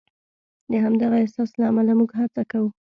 د همدغه احساس له امله موږ هڅه کوو.